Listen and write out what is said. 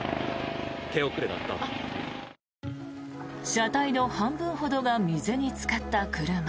車体の半分ほどが水につかった車。